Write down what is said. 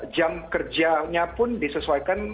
jam kerjanya pun disesuaikan